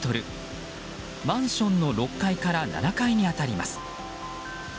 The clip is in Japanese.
マンションの６階から７階に当たります。